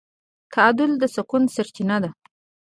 تعادل د سکون سرچینه ده.